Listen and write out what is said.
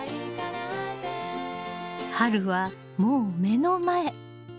春はもう目の前。